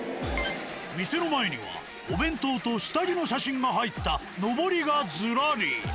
店の前にはお弁当と下着の写真が入ったのぼりがずらり。